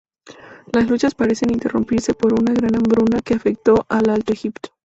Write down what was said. Las luchas parecen interrumpirse por una gran hambruna que afectó al Alto Egipto.